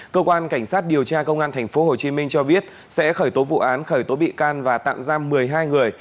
cơ quan cảnh sát điều tra công an tp hcm cho biết sẽ khởi tố vụ án khởi tố bị can và tạm giam một mươi hai người